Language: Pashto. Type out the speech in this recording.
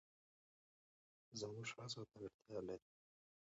زموږ هڅو ته اړتیا لري.